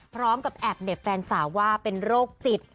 พร้อมกับแอบเหน็บแฟนสาวว่าเป็นโรคจิต